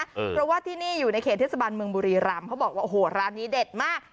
เพราะว่าที่นี่อยู่ในเขตเทศบาลเมืองบุรีรำเขาบอกว่าโอ้โหร้านนี้เด็ดมาก